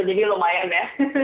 jadi lumayan ya